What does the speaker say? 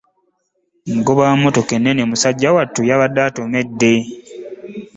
Omugoba wa mmotoka ennene musajja wattu yabadde atomedde.